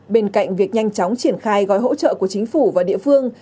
bên cạnh việc nhanh chóng triển khai gói hỗ trợ của chính phủ và địa phương